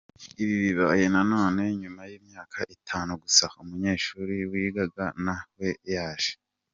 Ibi bibaye nanone nyuma y’imyaka itanu gusa umunyeshuli wigaga na we yaje.